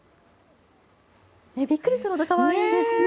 びっくりするほど可愛いですね。